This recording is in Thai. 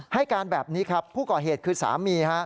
ให้การแบบนี้ครับผู้ก่อเหตุคือสามี